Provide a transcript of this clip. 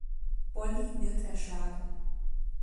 Bolli wird erschlagen.